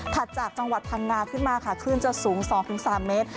จากจังหวัดพังงาขึ้นมาค่ะคลื่นจะสูง๒๓เมตร